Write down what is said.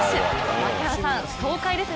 槙原さん、爽快ですね